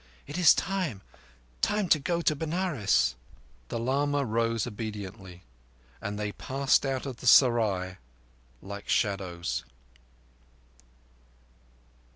It is time—time to go to Benares." The lama rose obediently, and they passed out of the serai like shadows.